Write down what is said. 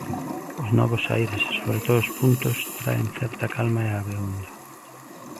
Os novos aires, e sobre todo os puntos, traen certa calma a Abegondo.